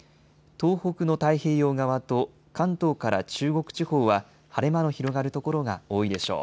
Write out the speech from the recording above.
東北の太平洋側と関東から中国地方は晴れ間の広がる所が多いでしょう。